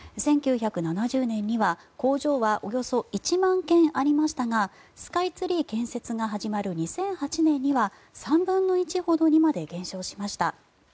１９７０年には工場はおよそ１万軒ありましたがスカイツリー建設が始まる２００８年には３分の１ほどにまで減少しました。